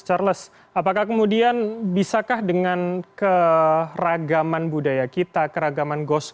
charles apakah kemudian bisakah dengan keragaman budaya kita keragaman ghost